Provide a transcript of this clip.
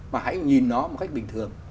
mà hãy nhìn nó một cách bình thường